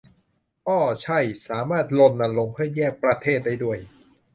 อ้อใช่ สามารถรณรงค์เพื่อแยกประเทศได้ด้วย